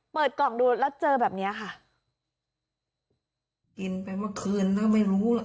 เปิดกล่องดูแล้วเจอแบบเนี้ยค่ะ